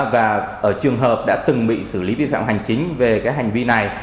và ở trường hợp đã từng bị xử lý vi phạm hành chính về cái hành vi này